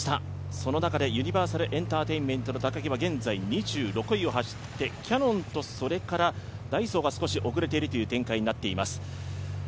その中でユニバーサルエンターテインメントの高木は現在２６位を走って、キヤノンとそれからダイソーが遅れている展開になっています。